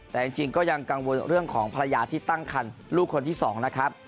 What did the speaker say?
แต่จริงก็ยังกังวลเรื่องของภรรยาที่ตั้งคันลูกคนที่๒นะครับ